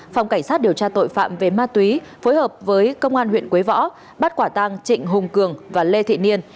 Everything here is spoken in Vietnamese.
phòng cảnh sát điều tra tội phạm về ma túy phối hợp với công an huyện quế võ bắt quả tang trịnh hùng cường và lê thị niên